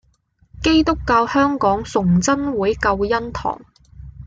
基督教香港崇真會救恩堂